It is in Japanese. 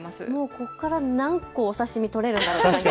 ここから何個お刺身とれるんだろう。